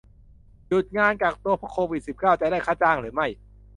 หยุดงานกักตัวเพราะโควิด สิบเก้า จะได้ค่าจ้างหรือไม่